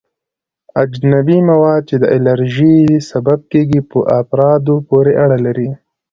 اجنبي مواد چې د الرژي سبب کیږي په افرادو پورې اړه لري.